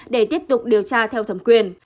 để tiếp tục điều tra theo thẩm quyền